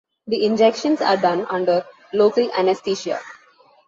The injections are done under local anesthesia.